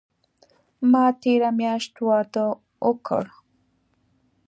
ما تیره میاشت واده اوکړ